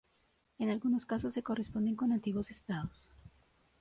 En algunos casos se corresponden con antiguos estados.